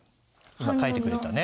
今書いてくれたね